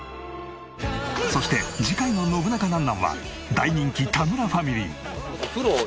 そして次回の『ノブナカなんなん？』は大人気田村ファミリー。